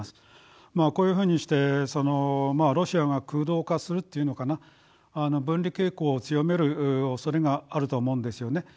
こういうふうにしてロシアが空洞化するっていうのかな分離傾向を強めるおそれがあると思うんですよね。